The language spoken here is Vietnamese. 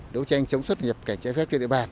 đấu tranh chống xuất nhập cảnh trái phép